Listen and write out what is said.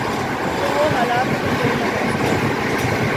تو وہ حالات کو کنٹرول نہ کر سکیں۔